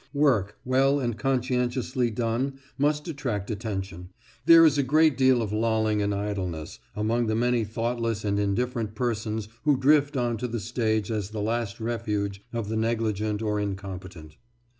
Work well and conscientiously done must attract attention; there is a great deal of lolling and idleness among the many thoughtless and indifferent persons who drift on to the stage as the last refuge of the negligent or incompetent.